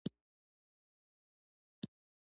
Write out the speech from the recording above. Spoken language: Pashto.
د کرخ ولسوالۍ تفریحي ده